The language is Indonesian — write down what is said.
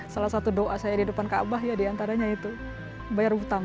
salah satu doa saya di depan kaabah ya diantaranya itu bayar hutang